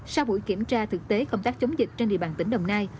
sau buổi kiểm tra thực tế công tác chống dịch trên địa bàn tỉnh đồng nai